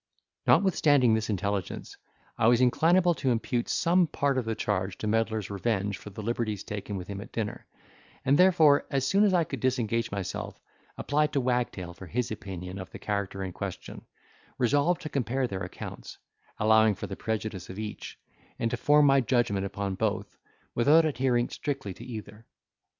Notwithstanding this intelligence, I was inclinable to impute some part of the charge to Medlar's revenge for the liberties taken with him at dinner; and therefore, as soon as I could disengage myself, applied to Wagtail for his opinion of the character in question, resolved to compare their accounts, allowing for the prejudice of each, and to form my judgment upon both, without adhering strictly to either.